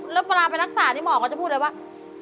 แล้วเวลาไปรักษานี่หมอก็จะพูดเลยว่า